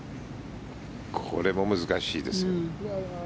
これも難しいですよ。